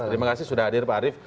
terima kasih sudah hadir pak arief